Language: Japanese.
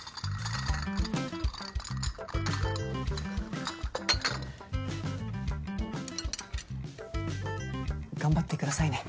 ガタガタ頑張ってくださいね。